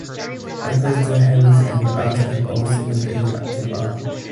I created the heavens and the earth, and all things that in them are.